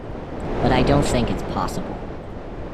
But I don't think it's possible.